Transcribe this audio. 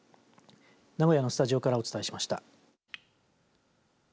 名古屋のスタジオからお伝えしました。